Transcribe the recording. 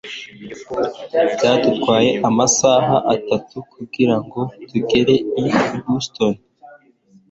byadutwaye amasaha atatu kugirango tugere i boston